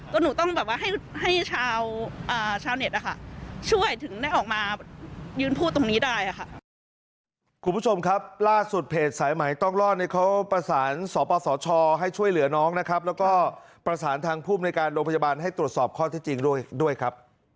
ก็เราต้องให้ชาวเน็ตช่วยถึงได้ออกมายืนพูดตรงนี้ได้ค่ะ